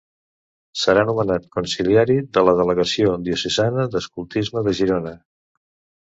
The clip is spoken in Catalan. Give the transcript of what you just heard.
Serà nomenat consiliari de la Delegació Diocesana d'Escoltisme de Girona.